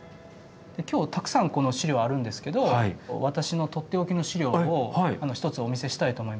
今日たくさんこの資料あるんですけど私のとっておきの資料を一つお見せしたいと思います。